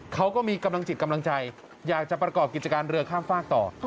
เขาก็มีกำลังจิตกำลังใจอยากจะประกอบกิจการเรือข้ามฝากต่อ